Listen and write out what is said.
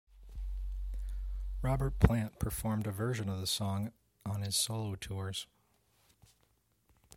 Robert Plant performed a version of the song on his solo tours.